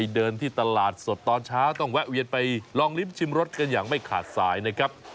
เดินที่ตลาดสดตอนเช้าต้องแวะเวียนไปลองลิ้มชิมรสกันอย่างไม่ขาดสายนะครับ